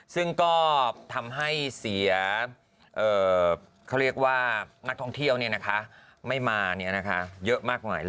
ซึ่งก็ทำให้เสียเขาเรียกว่านักท่องเที่ยวไม่มาเยอะมากมายเลย